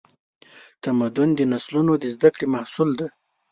تمدن د نسلونو د زدهکړې محصول دی.